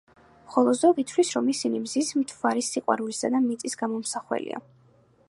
ხოლო ზოგი თვლის, რომ ისინი მზის, მთვარის, სიყვარულისა და მიწის გამომსახველია.